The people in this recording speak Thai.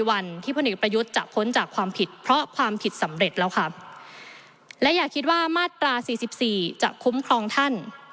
และอย่าคิดว่ามาตรา๔๔จะคุ้มครองท่าน